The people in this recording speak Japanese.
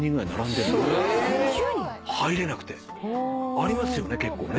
ありますよね結構ね。